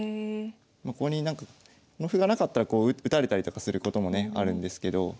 ここになんかこの歩がなかったらこう打たれたりとかすることもねあるんですけど。